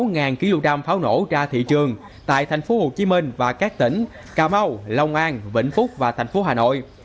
ngàn ký lưu đam pháo nổ ra thị trường tại thành phố hồ chí minh và các tỉnh cà mau long an vĩnh phúc và thành phố hà nội